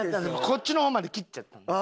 こっちの方まで切っちゃったんで。